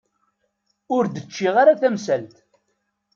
Ur d-ččiɣ ara tamsalt.